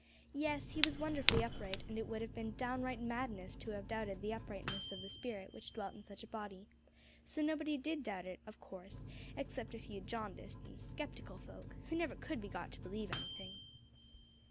Yes, he was wonderfully upright, and it would have been downright madness to have doubted the uprightness of the spirit which dwelt in such a body; so nobody did doubt it, of course, except a few jaundiced and sceptical folk, who never could be got to believe anything.